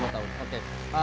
dua tahun oke